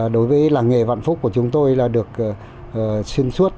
đối với làng nghề vạn phúc của chúng tôi là được xuyên suốt